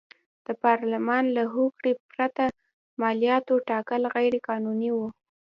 د پارلمان له هوکړې پرته مالیاتو ټاکل غیر قانوني و.